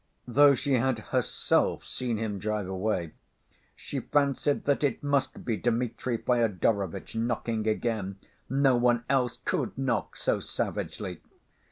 Though she had herself seen him drive away, she fancied that it must be Dmitri Fyodorovitch knocking again, no one else could knock so savagely.